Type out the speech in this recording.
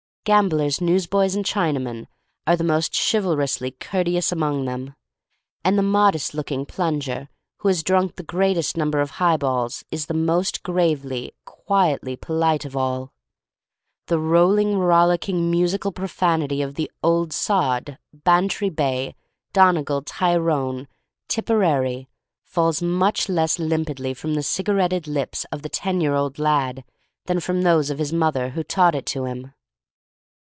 Gamblers, newsboys, and Chinamen are the most chivalrously courteous among them. And the modest looking *'plunger" who has drunk the greatest number of high balls is the most gravely, quietly polite of all. The rolling, rollicking, musical profanity of the "ould sod" — Bantry Bay, Donegal, Tyrone, Tipperary — falls much less / Il6 THE STORY OF MARY MAC LANE limpidly from the cigaretted lips of the ten year old lad than from those of his mother, who taught it to him.